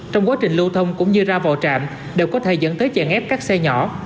trong quá trình lưu thông cũng như ra vào trạm đều có thể dẫn tới chèn ép các xe nhỏ